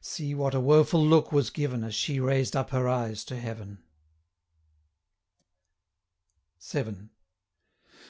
110 See what a woful look was given, As she raised up her eyes to heaven! VII.